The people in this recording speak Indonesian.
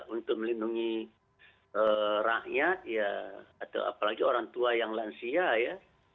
untuk melindungi rakyat ya atau apalagi orang tua yang lansia ya